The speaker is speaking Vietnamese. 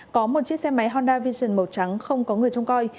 có một chiếc xe máy honda vision màu trắng không có người trông coi